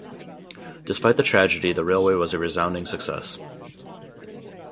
Despite the tragedy the railway was a resounding success.